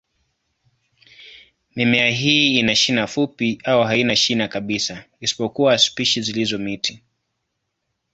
Mimea hii ina shina fupi au haina shina kabisa, isipokuwa spishi zilizo miti.